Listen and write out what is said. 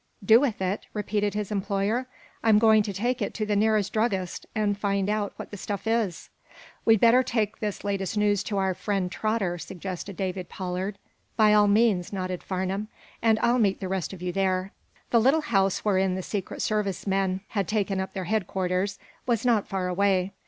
"Do with it?" repeated his employer. "I'm going to take it to the nearest druggist, and find out what the stuff is." "We'd better take this latest news to our friend Trotter," suggested David Pollard. "By all means," nodded Farnum. "And I'll meet the rest of you there." The little house wherein the Secret Service, men had taken up their headquarters was not far away.